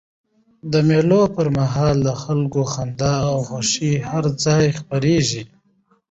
د مېلو پر مهال د خلکو خندا او خوښۍ هر ځای خپریږي.